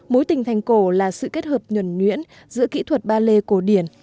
mối tình thành cổ là sự kết hợp nhuẩn nhuyễn giữa kỹ thuật ballet cổ điển